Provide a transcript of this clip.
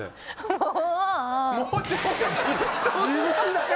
もう。